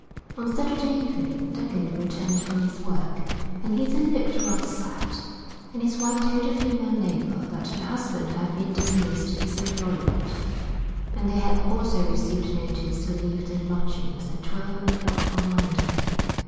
On Saturday evening Duggin returned from his work, and he then looked rather sad, and his wife told a female neighbour that her husband had been dismissed his employment, and they had also received notice to leave their lodgings at 12 o'clock on Monday.